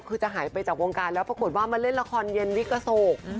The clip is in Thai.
คือจะหายไปจากวงการแล้วปรากฏว่ามาเล่นละครเย็นวิกโศก